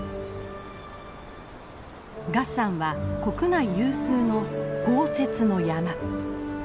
月山は国内有数の豪雪の山。